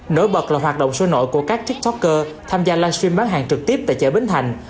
nổi bật là hoạt động sôi nổi của các tiktoker tham gia livestream bán hàng trực tiếp tại chợ bến thành